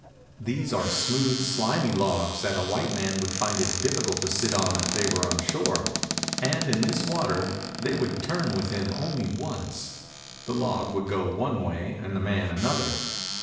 These are smooth sHmy logs that a white man would find it difficult to sit on if they were on shore, and in this water they would turn with him 258 UP THE CATARACTS OF THE NILE only once — the log would go one way and the man another.